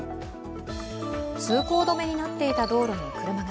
通行止めになっていた道路に車が。